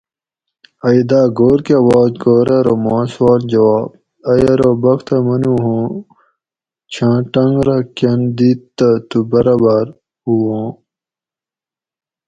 ائ دا گھور کہ واست گھور ارو ماں سوال جواب؟ ائ ارو بختہ منو ھوں چھاں ٹنگ رہ کن دیت تہ تو برابار وواں